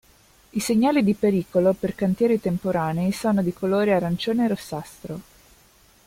I segnali di pericolo per cantieri temporanei sono di colore arancione-rossastro.